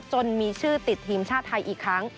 มีชื่อติดทีมชาติไทยอีกครั้ง